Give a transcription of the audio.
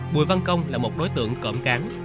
bùi văn công là một đối tượng cỡm cán